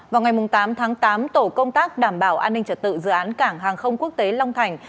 vào ngày tám tháng tám tổ công tác đảm bảo an ninh trật tự dự án cảng hàng không quốc tế long thành